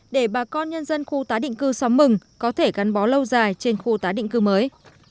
để bà con nhân dân khu tái định cư xóm mừng có thể gắn bó lâu dài trên khu tái định cư mới